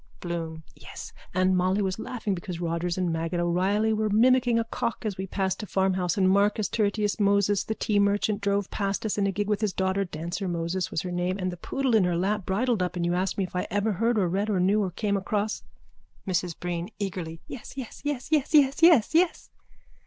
BLOOM: Yes. And Molly was laughing because Rogers and Maggot O'Reilly were mimicking a cock as we passed a farmhouse and Marcus Tertius Moses, the tea merchant, drove past us in a gig with his daughter, Dancer Moses was her name, and the poodle in her lap bridled up and you asked me if I ever heard or read or knew or came across... MRS BREEN: (Eagerly.) Yes, yes, yes, yes, yes, yes, yes.